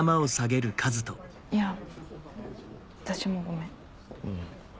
いや私もごめん。